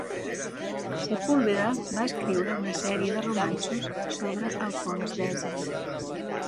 Sepúlveda va escriure una sèrie de romanços sobre Alfons X.